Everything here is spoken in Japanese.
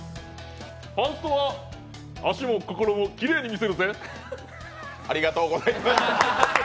パンストは足も心もきれいに見せるぜ！